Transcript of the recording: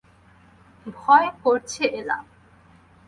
ভয় করছে এলা?